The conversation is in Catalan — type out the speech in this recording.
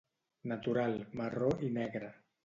Natural, marró i negre.